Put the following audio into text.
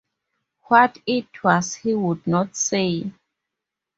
What it was he would not say.